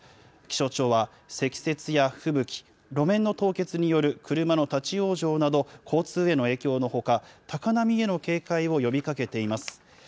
気象庁は、積雪や吹雪、路面の凍結による車の立往生など、交通への影響のほか、高波への警戒を呼びかけています。